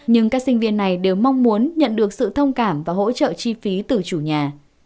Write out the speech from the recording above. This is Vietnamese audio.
nhưng các sinh viên này đều mong muốn nhận được sự thông cảm và hỗ trợ chi phí từ chủ nhà